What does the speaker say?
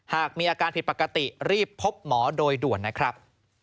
หากมีอาการผิดปกติรีบพบหมอโดยด่วนนะครับ